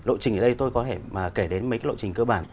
lộ trình ở đây tôi có thể mà kể đến mấy cái lộ trình cơ bản